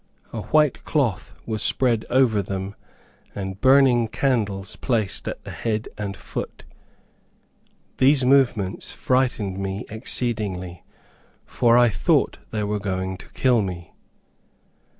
A white cloth was spread over them, and burning candles placed at the head and foot. These movements frightened me exceedingly, for I thought they were going to kill me.